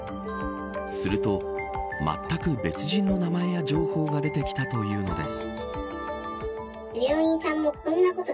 すると、まったく別人の名前や情報が出てきたというのです。